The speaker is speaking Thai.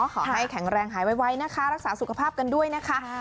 ขอให้แข็งแรงหายไวนะคะรักษาสุขภาพกันด้วยนะคะ